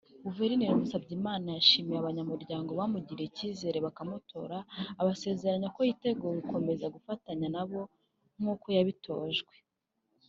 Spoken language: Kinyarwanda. Guverineri Musabyimana yashimiye abanyamuryango bamugiriye icyizere bakamutora abasezeranya ko yiteguye gukomeza gufatanya nabo nk’uko yabitojwe